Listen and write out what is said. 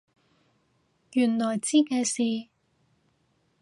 原來知嘅事？